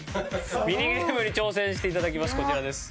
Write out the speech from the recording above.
「ミニゲームに挑戦して頂きますこちらです」